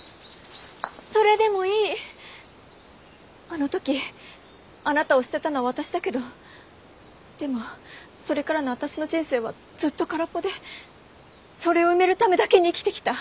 あの時あなたを捨てたのは私だけどでもそれからの私の人生はずっと空っぽでそれを埋めるためだけに生きてきた。